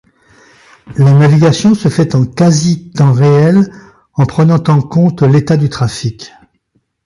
La navigation se fait en quasi-temps réel en prenant en compte l'état du trafic.